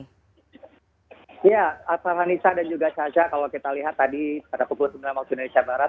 ya farhanisa dan juga caca kalau kita lihat tadi pada pukul sembilan waktu indonesia barat